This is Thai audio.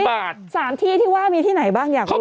สารที่ที่ว่ามีที่ไหนบ้างอยากรู้ด้วยค่ะ